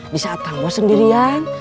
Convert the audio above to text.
di saat kambos sendirian